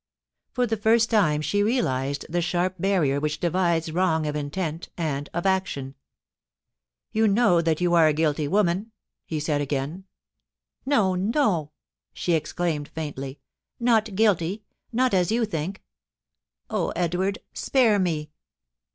For the first time she realised the sharp barrier which divides wrong of intent and of action. * You know that you are a guilty woman,' he said again. * No, no !' she exclaimed faintly ; not guilty — not as you think. Oh, Edward ! spare me.'